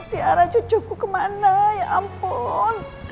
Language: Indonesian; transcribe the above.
tiara cucuku kemana ya ampun